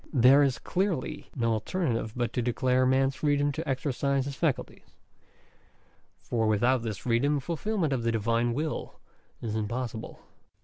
There is clearly no alternative but to declare man's freedom to exercise his faculties; for without this freedom fulfilment of the Divine will is impossible.